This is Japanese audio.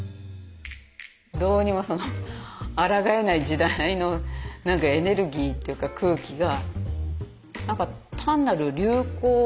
どうにもそのあらがえない時代のエネルギーっていうか空気が。